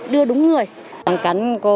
đưa đúng người hoàn cảnh cô